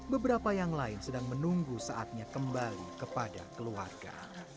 beberapa yang lain sedang menunggu saatnya kembali kepada keluarga